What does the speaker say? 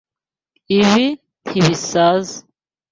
Ibi ntibisaza.